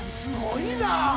すごいな。